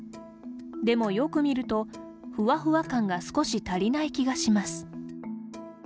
でもよく見ると、ふわふわ感が少し足りない気がします。